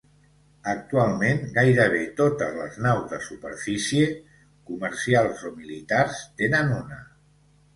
Actualment gairebé totes les naus de superfície, comercials o militars tenen una.